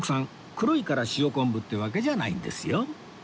黒いから塩昆布ってわけじゃないんですよ